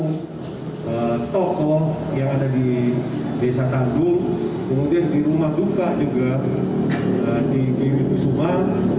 kita sudah menemukan toko yang ada di desa tanggung kemudian di rumah duka juga di diri semua